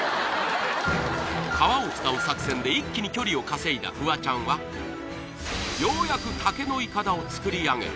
川を使う作戦で一気に距離を稼いだフワちゃんはようやく竹のイカダを作り上げた